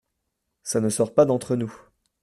Ca ne sort pas d’entre nous !